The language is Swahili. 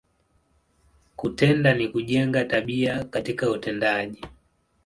Kutenda, ni kujenga, tabia katika utendaji.